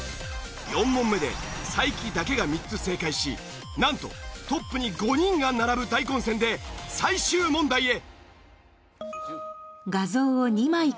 ４問目で才木だけが３つ正解しなんとトップに５人が並ぶ大混戦で最終問題へ。